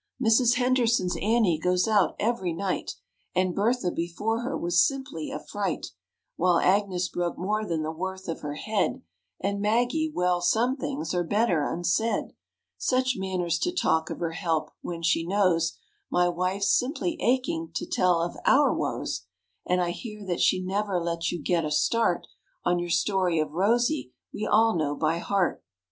Mrs. Henderson's Annie goes out every night, And Bertha, before her, was simply a fright, While Agnes broke more than the worth of her head, And Maggie well, some things are better unsaid. Such manners to talk of her help when she knows My wife's simply aching to tell of our woes! And I hear that she never lets you get a start On your story of Rosy we all know by heart.